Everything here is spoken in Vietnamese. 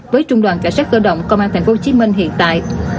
với trung đoàn cảnh sát cơ động công an tp hcm hiện tại